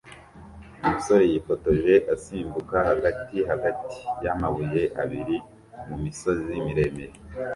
Umusore yifotoje asimbuka hagati hagati yamabuye abiri mumisozi miremire